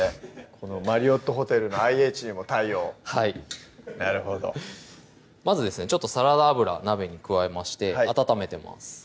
このマリオットホテルのＩＨにも対応はいなるほどまずですねちょっとサラダ油鍋に加えまして温めてます